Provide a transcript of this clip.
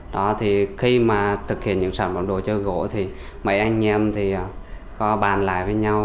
đó thì khi mà thực hiện những sản phẩm đồ chơi gỗ thì mấy anh em thì có bàn lại với nhau